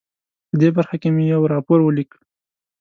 په دې برخه کې مې یو راپور ولیک.